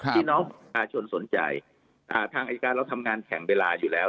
พี่น้องประชาชนสนใจทางอายการเราทำงานแข่งเวลาอยู่แล้ว